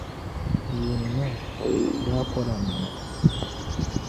Yuuni maa, o daa kola mana.